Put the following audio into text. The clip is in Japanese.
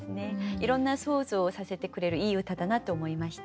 いろんな想像をさせてくれるいい歌だなと思いました。